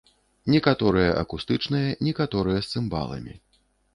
Некаторыя акустычныя, некаторыя з цымбаламі.